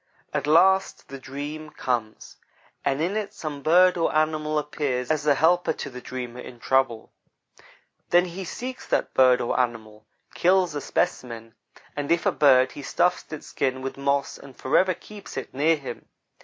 At last the dream comes, and in it some bird or animal appears as a helper to the dreamer, in trouble. Then he seeks that bird or animal; kills a specimen; and if a bird, he stuffs its skin with moss and forever keeps it near him.